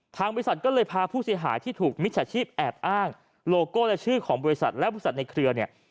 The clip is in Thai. บริษัทก็เลยพาผู้เสียหายที่ถูกมิจฉาชีพแอบอ้างโลโก้และชื่อของบริษัทและบริษัทในเครือเนี่ย